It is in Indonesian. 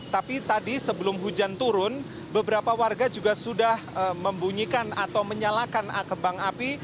tapi tadi sebelum hujan turun beberapa warga juga sudah membunyikan atau menyalakan kembang api